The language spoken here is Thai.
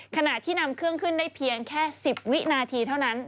ขณะที่นำเครื่องขึ้นได้เพียงแค่๑๐วินาทีเท่านั้น